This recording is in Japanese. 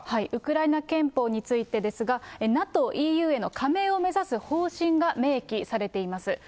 ウクライナ憲法についてですが、ＮＡＴＯ、ＥＵへの加盟を目指す方針が明記されています。